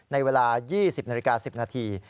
ในเวลา๒๐นาฬิกา๑๐นาที